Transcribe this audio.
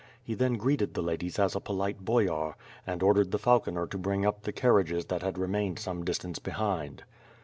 He then greeted the ladies as a polite boyar, and ordered the falconer to bring up the carriages that had remained some distance behind.